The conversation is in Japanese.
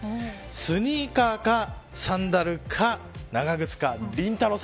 スニーカーか、サンダルか長靴かりんたろー。